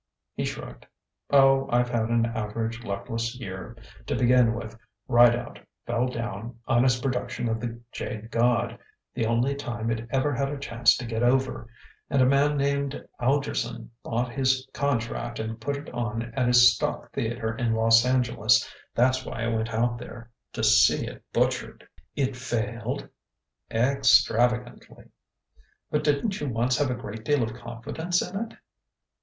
He shrugged. "Oh, I've had an average luckless year. To begin with, Rideout fell down on his production of 'The Jade God' the only time it ever had a chance to get over and a man named Algerson bought his contract and put it on at his stock theatre in Los Angeles. That's why I went out there to see it butchered." "It failed?" "Extravagantly!" "But didn't you once have a great deal of confidence in it?"